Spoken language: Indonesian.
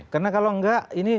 karena kalau enggak ini